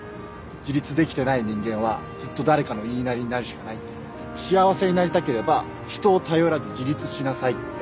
「自立できてない人間はずっと誰かの言いなりになるしかない」って「幸せになりたければ人を頼らず自立しなさい」って。